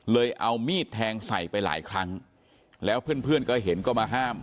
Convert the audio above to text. เอามีดแทงใส่ไปหลายครั้งแล้วเพื่อนเพื่อนก็เห็นก็มาห้าม